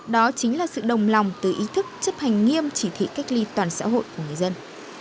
đó chính là sự đồng lòng từ ý thức chấp hành nghiêm chỉ thị cách ly toàn xã hội của người dân